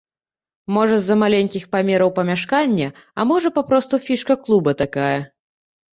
Можа з-за маленькіх памераў памяшкання, а можа папросту фішка клуба такая.